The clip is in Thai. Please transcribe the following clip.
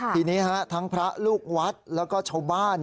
ขนี้ฮะทั้งพระลูกวัดและก็ชาวบ้า